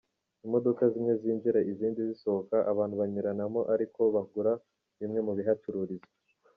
Imodoka zimwe zinjira izindi zisohoka, abantu banyuranamo ari ko bagura bimwe mu bihacururizwa.